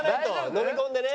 飲み込んでね。